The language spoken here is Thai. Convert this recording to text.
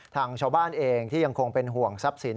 ทางชาวบ้านเองที่ยังคงเป็นห่วงทรัพย์สิน